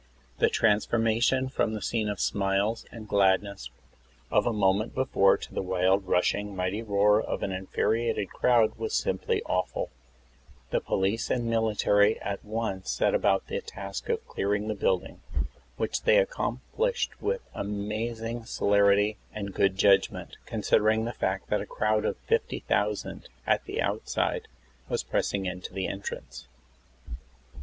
The transformation from the scene of smiles and gladness o┬½f a moment before, to the wild, rushing, mighty roar of an infuriated crowd, was simjply awful. The police and military at once set about the task of clearing the building, which they accomplished with amazing celerity and 40 THE ASSASSINATION OF PRESIDENT McKINLEY. igood judgment, considering the fact that a crowd oi 50,000 at the outside was pressing into the entrance."